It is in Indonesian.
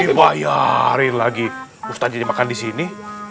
dibayarin lagi ustadz ini makan disini